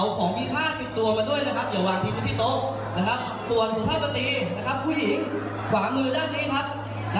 ส่วนภาคปฏิผู้หญิงขวามือด้านนี้ครับ